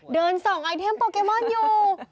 เดินส่องไอเทมโปเกมอนอยู่